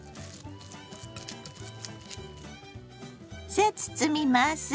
さあ包みます！